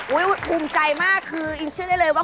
ภูมิใจมากคืออิงเชื่อได้เลยว่า